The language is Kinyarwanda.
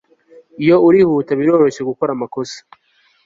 Iyo urihuta biroroshye gukora amakosa